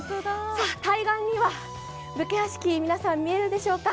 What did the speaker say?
対岸には武家屋敷、皆さん見えるでしょうか。